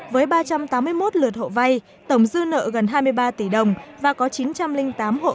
với ba trăm tám mươi một lượt hộ vay tổng dư nợ gần hai mươi ba tỷ đồng và có chín trăm linh tám hộ